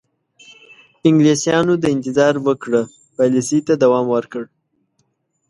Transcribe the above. انګلیسیانو د انتظار وکړه پالیسۍ ته دوام ورکړ.